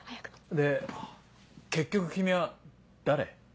で結局君は誰？